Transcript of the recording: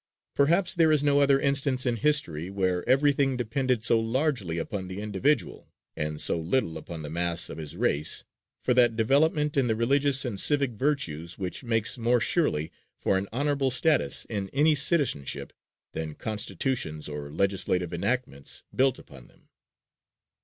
Perhaps there is no other instance in history where everything depended so largely upon the individual, and so little upon the mass of his race, for that development in the religious and civic virtues which makes more surely for an honorable status in any citizenship than constitutions or legislative enactments built upon them.